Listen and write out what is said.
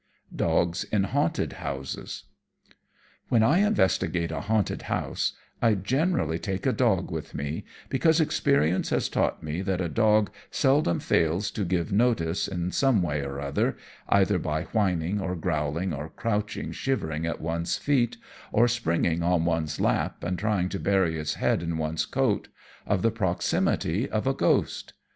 Dogs in Haunted Houses When I investigate a haunted house, I generally take a dog with me, because experience has taught me that a dog seldom fails to give notice, in some way or another either by whining, or growling, or crouching shivering at one's feet, or springing on one's lap and trying to bury its head in one's coat of the proximity of a ghost.